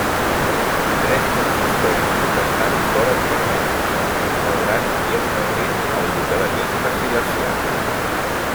Tres consistoris protestants foren permesos, restaurant i establint el Luteranisme silesià.